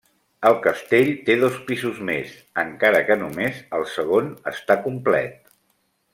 El castell té dos pisos més, encara que només el segon està complet.